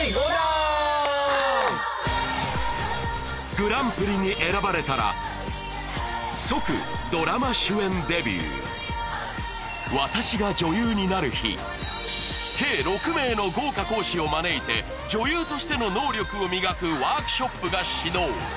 グランプリに選ばれたら即ドラマ主演デビュー計６名の豪華講師を招いて女優としての能力を磨くワークショップが始動